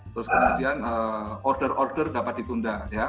terus kemudian order order dapat ditunda